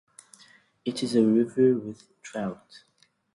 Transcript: It is a river with trout.